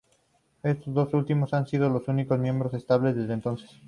Estos dos últimos han sido los únicos miembros estables desde entonces.